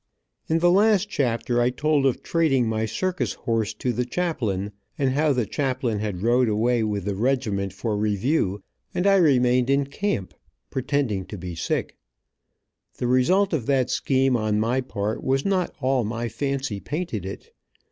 In the last chapter I told of trading my circus horse to the chaplain, and how the chaplain had rode away with the regiment for review, and I remained in camp, pretending to be sick. The result of that scheme on my part was not all my fancy painted it.